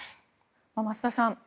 増田さん